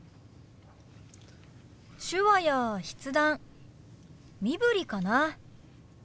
手話や筆談身振りかな。